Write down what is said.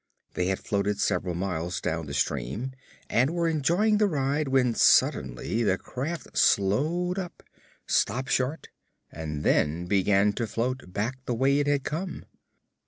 They had floated several miles down the stream and were enjoying the ride when suddenly the raft slowed up, stopped short, and then began to float back the way it had come.